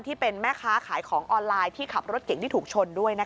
ที่เป็นแม่ค้าขายของออนไลน์ที่ขับรถเก่งที่ถูกชนด้วย